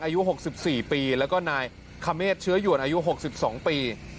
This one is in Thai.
อายุหกสิบสี่ปีแล้วก็นายขเมฆเฉือหยวนอายุหกสิบสองปี